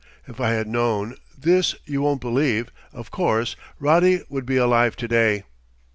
If I had known this you won't believe, of course Roddy would be alive to day."